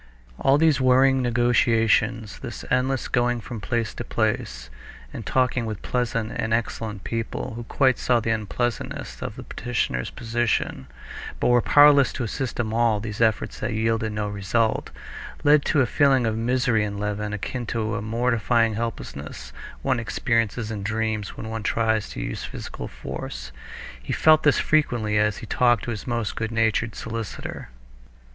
All these worrying negotiations, this endless going from place to place, and talking with pleasant and excellent people, who quite saw the unpleasantness of the petitioner's position, but were powerless to assist him—all these efforts that yielded no result, led to a feeling of misery in Levin akin to the mortifying helplessness one experiences in dreams when one tries to use physical force. He felt this frequently as he talked to his most good natured solicitor.